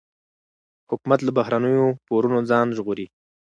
حکومت له بهرنیو پورونو ځان ژغوري.